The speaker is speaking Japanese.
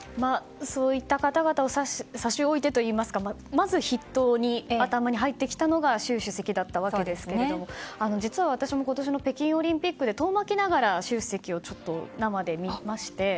そういった方々を差し置いてと言いますかまず筆頭に入ってきたのが習主席だったわけですが実は私も今年の北京オリンピックで遠巻きながら習主席を生で見まして。